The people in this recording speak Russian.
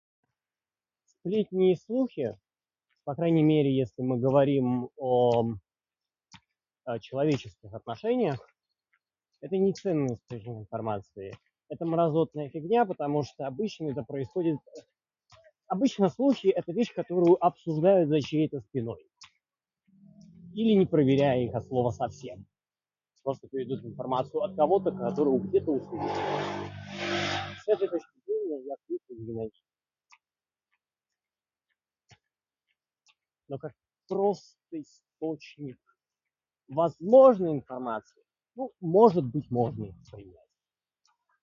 Сплетни и слухи, по крайней мере, если мы говорим о, [disfluency|э], человеческих отношениях, это не ценный источник информации. Это мразотная фигня, потому что обычно это происходит... Обычно, слухи - это вещь, которую обсуждают за чьей-то спиной. Или не проверяя их от слова совсем, просто передают информацию от кого-то, которую где-то услышал. [unintelligible] Но как просто источник возможной информации, ну, может быть, можно это воспринять.